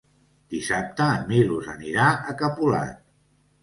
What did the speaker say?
Dissabte en Milos anirà a Capolat.